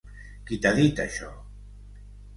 Qui t'ha dit això?